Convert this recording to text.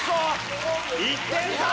１点差。